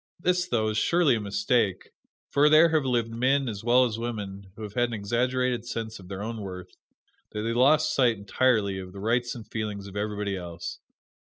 This, though, is surely a mistake, for there have lived men, as well as women, who had such an exaggerated sense of their own worth, that they lost sight, entirely, of the rights and feelings of everybody else.